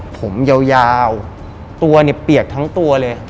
ผมยาวตัวเนี่ยเปียกทั้งตัวเลย